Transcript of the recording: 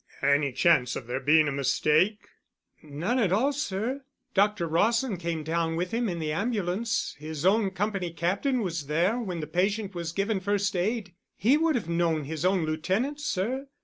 "Any chance of there being a mistake?" "None at all, sir. Doctor Rawson came down with him in the ambulance, his own company captain was there when the patient was given first aid. He would have known his own lieutenant, sir.